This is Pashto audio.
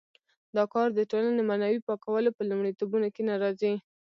دا کار د ټولنې معنوي پاکولو په لومړیتوبونو کې نه راځي.